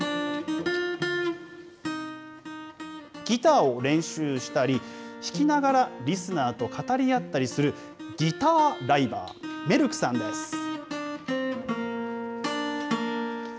ギターを練習したり、弾きながらリスナーと語り合ったりする、ギターライバー、メルクさんです。